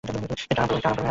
একটু আরাম কর।